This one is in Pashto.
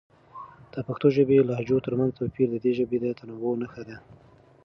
د پښتو ژبې لهجو ترمنځ توپیر د دې ژبې د تنوع نښه ده.